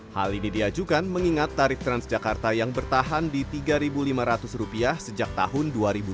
hal ini diajukan mengingat tarif transjakarta yang bertahan di rp tiga lima ratus sejak tahun dua ribu dua puluh